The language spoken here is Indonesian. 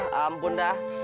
hah ampun dah